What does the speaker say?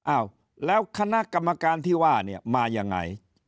อ้าวแล้วคณะกรรมการที่ว่ามาอย่างไร